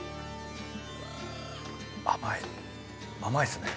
甘い甘いですね。